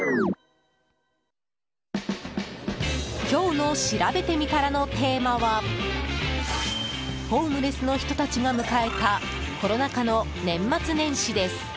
今日のしらべてみたらのテーマはホームレスの人たちが迎えたコロナ禍の年末年始です。